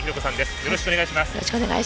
よろしくお願いします。